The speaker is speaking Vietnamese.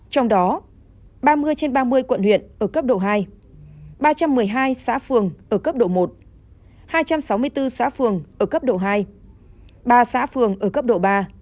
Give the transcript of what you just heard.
trong đó ba mươi trên ba mươi quận huyện ở cấp độ hai ba trăm một mươi hai xã phường ở cấp độ một hai trăm sáu mươi bốn xã phường ở cấp độ hai ba xã phường ở cấp độ ba